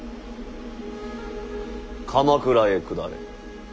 鎌倉へ下れ。